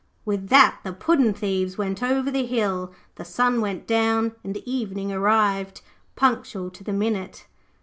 With that the puddin' thieves went over the hill, the sun went down and evening arrived, punctual to the minute.